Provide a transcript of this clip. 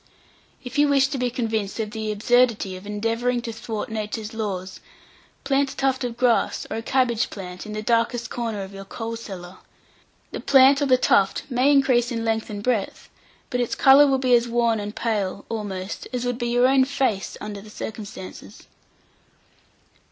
If you wish to be convinced of the absurdity of endeavouring to thwart nature's laws, plant a tuft of grass, or a cabbage plant, in the darkest corner of your coal cellar. The plant or the tuft may increase in length and breadth, but its colour will be as wan and pale, almost, as would be your own face under the circumstances.